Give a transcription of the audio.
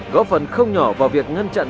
góp phần không nhỏ vào việc ngăn chặn